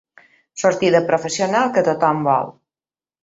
Sortida professional que tothom vol.